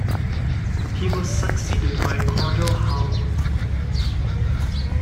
He was succeeded by Cordell Hull.